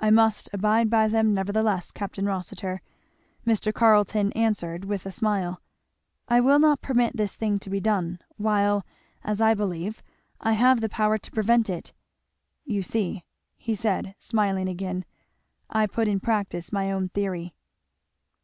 "I must abide by them nevertheless, Capt. Rossitur," Mr. Carleton answered with a smile. "I will not permit this thing to be done, while, as I believe, I have the power to prevent it. You see," he said, smiling again, "I put in practice my own theory."